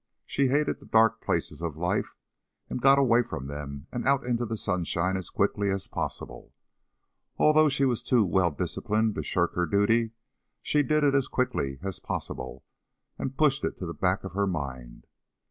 She hated the dark places of life, and got away from them and out into the sunshine as quickly as possible. Although she was too well disciplined to shirk her duty, she did it as quickly as possible and pushed it to the back of her mind.